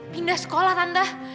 pindah sekolah tante